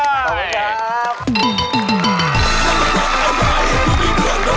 ขอบคุณครับ